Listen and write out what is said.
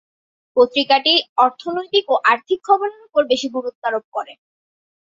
পত্রিকাটি অর্থনৈতিক ও আর্থিক খবরের উপর বেশি গুরুত্বারোপ করে।